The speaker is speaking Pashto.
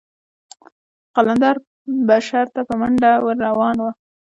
قلندر به شر ته په منډه ور روان و.